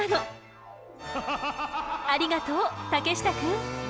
ありがとう竹下くん！